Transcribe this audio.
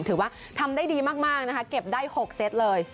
ถือว่าทำได้ดีมากนะคะเก็บได้๖เซตเลย